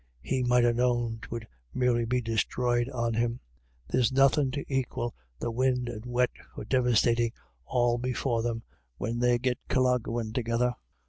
He might ha' known 'twould merely be disthroyed on him. There's nothin* to aquil the win' and the wet for devastatin' all before them, when they get colloguin' together."